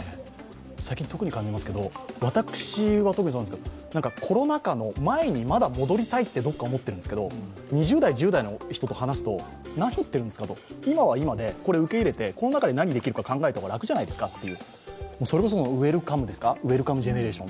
最近特に感じますけれども、私は特にそうなんですけれども、なんか、コロナ禍の前にまだ戻りたいって、どこか思ってるんですけど２０代、１０代の人と話すと何言っているんですか、今は今でこれを受け入れて、この中で何ができるか考えた方が楽じゃないですかっていう、それこそウェルカムジェネレーション。